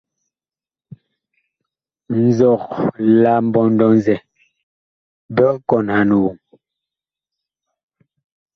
Nzɔg la mbɔndɔ-zɛ big kɔnhan woŋ.